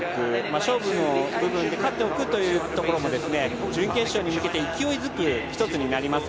勝負の部分で勝っておくというのも準決勝に向けて勢いづく一つになります。